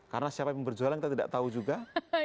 karena siapa yang berjualan kita tidak tahu juga